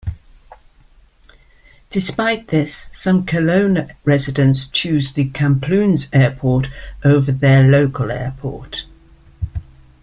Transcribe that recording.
Despite this, some Kelowna residents choose the Kamloops Airport over their local airport.